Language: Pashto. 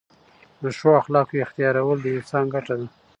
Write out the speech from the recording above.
د ښو اخلاقو احتیارول د انسان ګټه ده.